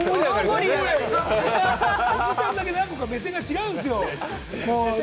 小木さんだけ、なんだか目線が違うんですよ。